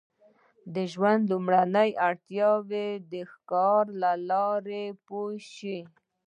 د ژوند لومړنۍ اړتیاوې د ښکار له لارې پوره شوې.